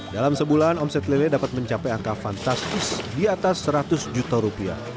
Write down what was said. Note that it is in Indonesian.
dalam sebulan omset lele dapat mencapai angka fantastis di atas seratus juta rupiah